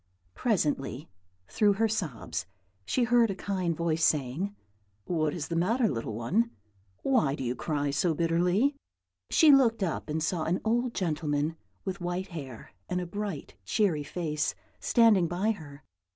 Presently, through her sobs, she heard a kind voice saying, "What is the matter, little one? Why do you cry so bitterly?" She looked up and saw an old gentleman with white hair and a bright, cheery face, standing by her.